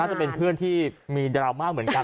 จะเป็นเพื่อนที่มีดราม่าเหมือนกัน